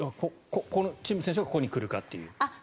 チン・ム選手がここに来るかという。